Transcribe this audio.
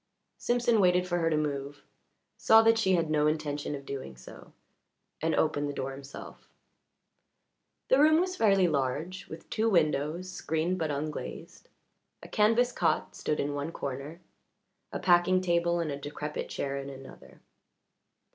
Simpson waited for her to move, saw that she had no intention of doing so, and opened the door himself. The room was fairly large, with two windows screened but unglazed; a canvas cot stood in one corner, a packing box table and a decrepit chair in another.